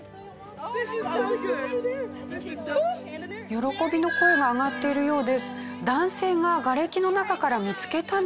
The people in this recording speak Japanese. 喜びの声が上がっているようです。